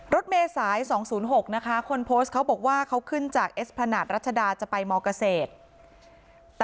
รถเมษาย๒๐๖นะคะคนโพสต์เขาบอกว่าเขาขึ้นจากเอสพนาทรัชดาจะไปมเกษตร